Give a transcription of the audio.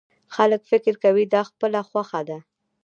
خلک فکر کوي دا خپله خوښه ده.